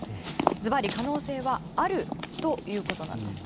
ズバリ可能性はあるということなんです。